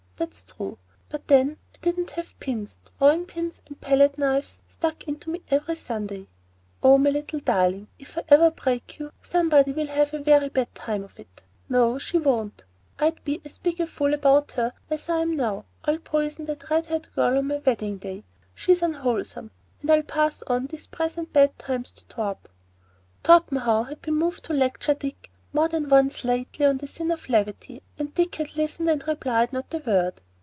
That's true; but then I didn't have pins, drawing pins, and palette knives, stuck into me every Sunday. Oh, my little darling, if ever I break you, somebody will have a very bad time of it. No, she won't. I'd be as big a fool about her as I am now. I'll poison that red haired girl on my wedding day,—she's unwholesome,—and now I'll pass on these present bad times to Torp." Torpenhow had been moved to lecture Dick more than once lately on the sin of levity, and Dick had listened and replied not a word.